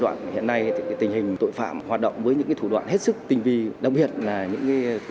đoạn hiện nay tình hình tội phạm hoạt động với những thủ đoạn hết sức tình vi đặc biệt là những thủ